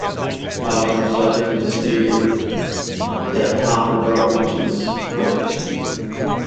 However, Southern disputed that Hopper wrote much of the script.